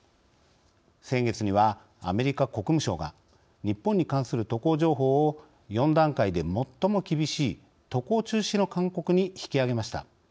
先月にはアメリカ国務省が日本に関する渡航情報を４段階で最も厳しい渡航中止の勧告に引き上げました。